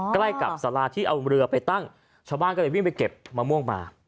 ใกล้กับสาราที่เอาเรือไปตั้งชาวบ้านก็เลยวิ่งไปเก็บมะม่วงมา